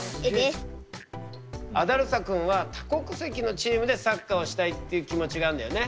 アダルサくんは多国籍のチームでサッカーをしたいっていう気持ちがあんだよね。